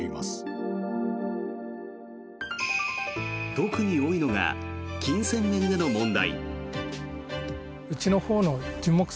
特に多いのが金銭面での問題。